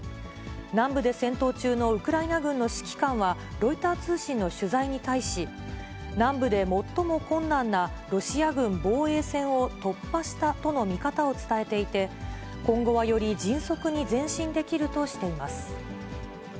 南部で戦闘中のウクライナ軍の指揮官は、ロイター通信の取材に対し、南部で最も困難なロシア軍防衛線を突破したとの見方を伝えていて、今後はより迅速に前進できるとしています。